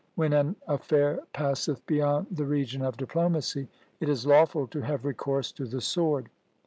When an affair passeth beyond the region of diplomacy, it is lawful to have recourse to the sword.